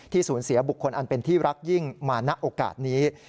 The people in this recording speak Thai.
สูญเสียบุคคลอันเป็นที่รักยิ่งมาณโอกาสนี้